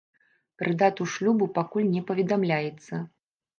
Пра дату шлюбу пакуль не паведамляецца.